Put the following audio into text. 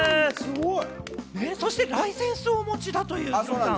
そしてライセンスをお持ちだということで。